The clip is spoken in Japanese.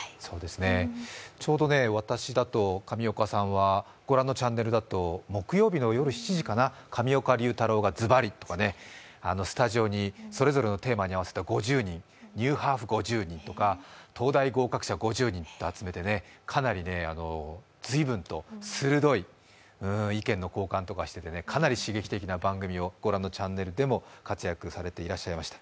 ちょうど、私だと上岡さんはご覧のチャンネルだと木曜日の夜７時かな、「上岡龍太郎がズバリ」とか、スタジオにそれぞれのテーマに合わせた５０人、ニューハーフ５０人とか東大合格者５０人とか集めてね、かなり随分と鋭い意見の交換とかしててかなり刺激的な番組をご覧のチャンネルでも活躍されていらっしゃいました。